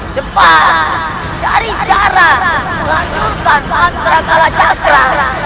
cepat cari cara melakukan mantra kalacakra